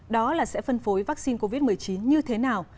đó là sẽ phân phối vaccine covid một mươi chín như thế nào